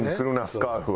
スカーフは。